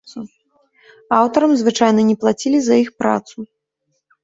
Аўтарам звычайна не плацілі за іх працу.